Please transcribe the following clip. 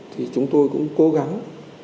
thì chúng tôi cũng cố gắng